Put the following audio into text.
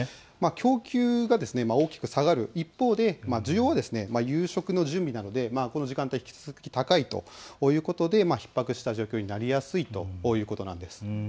供給が大きく下がる一方で需要は夕食の準備などで引き続き高いということでひっ迫した状況になりやすいということです。